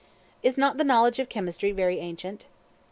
Is not the knowledge of Chemistry very ancient?